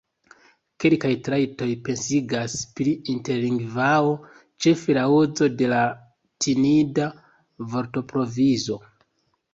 Kelkaj trajtoj pensigas pri interlingvao, ĉefe la uzo de latinida vortprovizo.